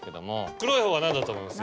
黒いほうは何だと思います？